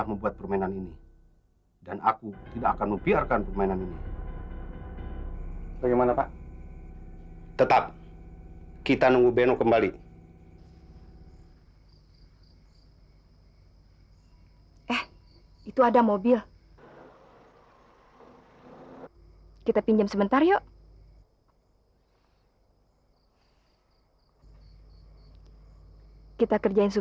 mobil ini baru kemarin saya servis